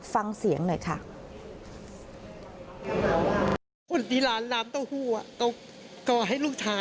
ฟังเสียงหน่อยค่ะ